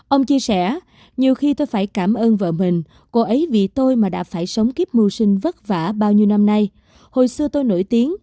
ông chia sẻ